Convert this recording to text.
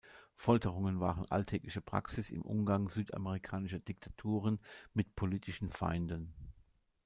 Folterungen waren alltägliche Praxis im Umgang südamerikanischer Diktaturen mit politischen Feinden.